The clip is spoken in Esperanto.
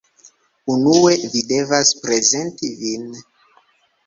Unue, vi devas prezenti vin